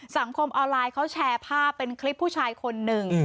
สังคมออนไลน์เขาแชร์ภาพเป็นคลิปผู้ชายคนหนึ่ง